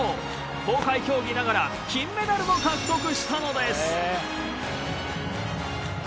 公開競技ながら金メダルを獲得したのです。